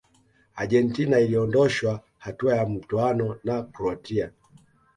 argentina iliondoshwa hatua ya mtoano na croatia